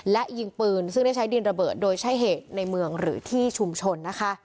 และยิงปืนซึ่งได้ใช้ดินระเบิดโดยใช้เหตุในเมืองหรือที่ชุมชนนะคะ